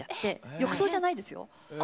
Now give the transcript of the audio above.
浴槽じゃないですよ。